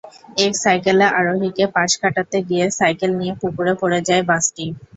এক সাইকেল আরোহীকে পাশ কাটাতে গিয়ে সাইকেল নিয়ে পুকুরে পড়ে যায় বাসটি।